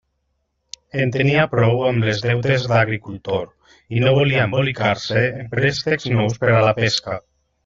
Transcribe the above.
En tenia prou amb els deutes d'agricultor, i no volia embolicar-se en préstecs nous per a la pesca.